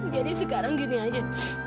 jadi sekarang gini aja